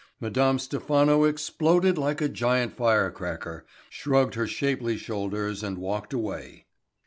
Madame Stephano exploded like a giant firecracker, shrugged her shapely shoulders and walked away.